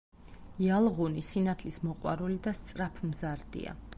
იალღუნი სინათლის მოყვარული და სწრაფმზარდია.